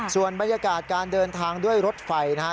ส่วนบรรยากาศการเดินทางด้วยรถไฟนะฮะ